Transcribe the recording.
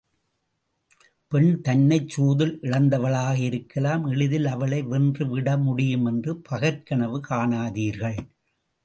பெண் தன்னைச்சூதில் இழந்தவளாக இருக்கலாம் எளிதில் அவளை வென்று விடமுடியும் என்று பகற்கனவு காணாதீர்கள்.